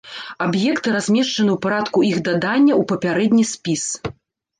Аб'екты размешчаны ў парадку іх дадання ў папярэдні спіс.